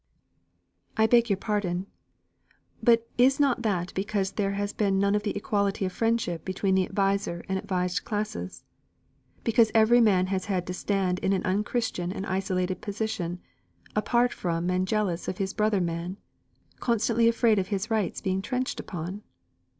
"I beg your pardon, but is not that because there has been none of the equality of friendship between the adviser and advised classes? Because every man has had to stand in an unchristian and isolated position, apart from and jealous of his brother man: constantly afraid of his rights being trenched upon?"